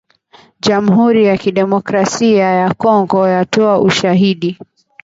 jamhuri ya kidemokrasia ya Kongo yatoa ushahidi